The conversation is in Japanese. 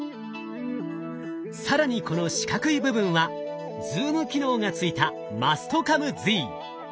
更にこの四角い部分はズーム機能がついたマストカムＺ。